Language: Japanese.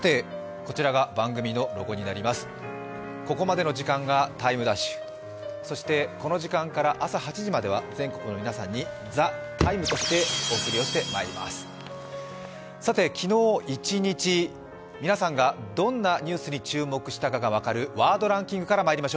ここまでの時間が「ＴＨＥＴＩＭＥ’」、そしてこの時間から朝８時までは全国の皆さんに「ＴＨＥＴＩＭＥ，」としてお送りしてまいります。